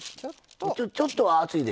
ちょっとは熱いでしょ？